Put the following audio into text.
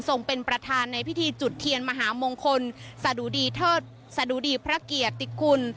เป็นประธานในพิธีจุดเทียนมหามงคลสะดุดีเทิดสะดุดีพระเกียรติคุณ